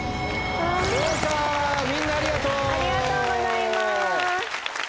みんなありがとう。